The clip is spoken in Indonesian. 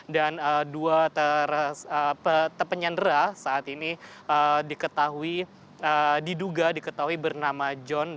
dan dua terpenyendra saat ini diduga diketahui bernama jokowi